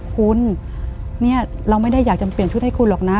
คุณเนี่ยเราไม่ได้อยากจะเปลี่ยนชุดให้คุณหรอกนะ